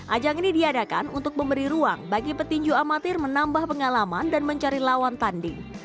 ajang ini diadakan untuk memberi ruang bagi petinju amatir menambah pengalaman dan mencari lawan tanding